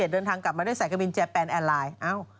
เดินทางกลับมาด้วยสายการบินแจแปนแอร์ไลน์